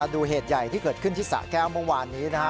ดูเหตุใหญ่ที่เกิดขึ้นที่สะแก้วเมื่อวานนี้นะฮะ